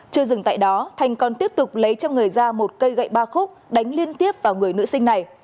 chưa dừng tại đó thành còn tiếp tục lấy cho người ra một cây gậy ba khúc đánh liên tiếp vào người nữ sinh này